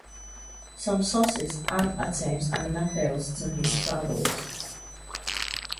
Some sources add Athens and Naples to his travels.